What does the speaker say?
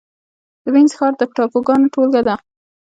د وينز ښار د ټاپوګانو ټولګه ده.